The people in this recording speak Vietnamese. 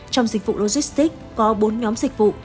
trong dịch vụ logistic có bốn nhóm dịch vụ